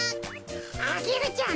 アゲルちゃん